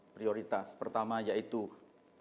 untuk presiden itu ada empat terutama prioritas